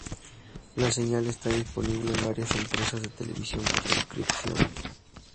La señal está disponible en varias empresas de televisión por suscripción.